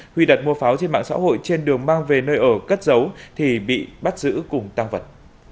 huy đặt mua pháo trên mạng xã hội trên đường mang về nơi ở cất giấu thì bị bắt giữ cùng tăng vật